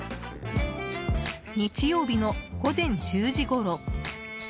日曜日の午前１０時ごろ。